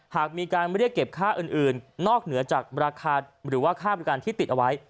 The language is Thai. หากมีการเรียกเก็บค่าอื่นนอกเหนือจากราคาหรือว่าค่าบริการที่ติดเอาไว้